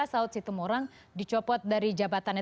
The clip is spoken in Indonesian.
saud situ morang dicopot dari jabatannya